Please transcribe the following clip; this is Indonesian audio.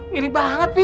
mirip banget v